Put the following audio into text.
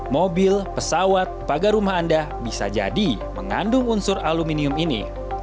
mobil pesawat pagar rumah anda bisa jadi mengandung unsur aluminium ini